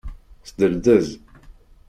Sderdez.